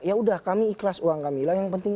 ya udah kami ikhlas uang kami lah yang penting